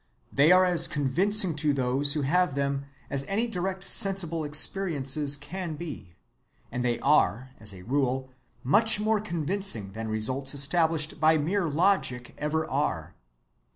They are as convincing to those who have them as any direct sensible experiences can be, and they are, as a rule, much more convincing than results established by mere logic ever are.